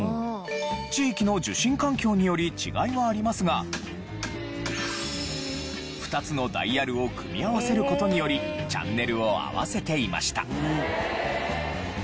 地域の受信環境により違いはありますが２つのダイヤルを組み合わせる事によりチャンネルを合わせていました。